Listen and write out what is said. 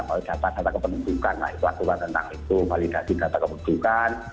kalau data data kependudukan lah itu aturan tentang itu validasi data kependudukan